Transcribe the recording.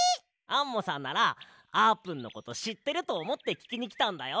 アンモさんならあーぷんのことしってるとおもってききにきたんだよ。